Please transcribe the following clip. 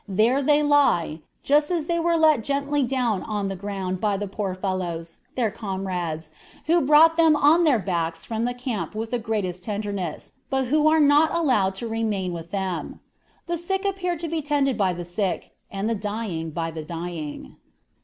There they lie, just as they were let gently down on the ground by the poor fellows, their comrades, who brought them on their backs from the camp with the greatest tenderness, but who are not allowed to remain with them. The sick appear to be tended by the sick, and the dying by the dying."